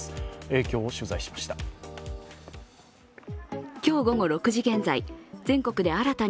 影響を取材しました。